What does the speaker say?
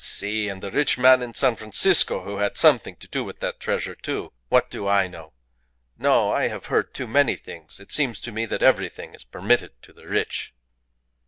"Si! And the rich man in San Francisco who had something to do with that treasure, too what do I know? No! I have heard too many things. It seems to me that everything is permitted to the rich."